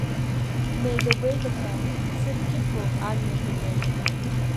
Дмеида-гәеидаха, дцыркьыԥо амҩа данын.